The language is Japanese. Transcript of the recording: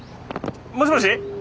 もしもし？